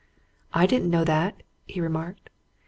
"I didn't know that," he remarked.